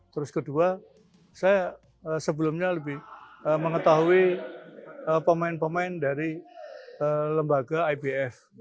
terus kedua saya sebelumnya lebih mengetahui pemain pemain dari lembaga ibf